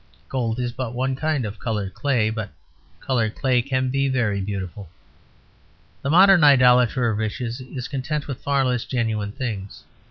Gold is but one kind of coloured clay, but coloured clay can be very beautiful. The modern idolater of riches is content with far less genuine things.